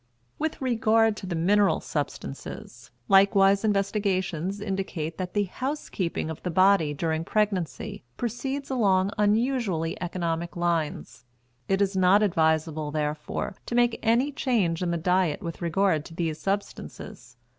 With regard to the mineral substances, likewise investigations indicate that the "housekeeping" of the body during pregnancy proceeds along unusually economic lines. It is not advisable, therefore, to make any change in the diet with regard to these substances.